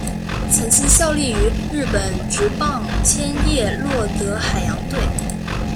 曾经效力于日本职棒千叶罗德海洋队。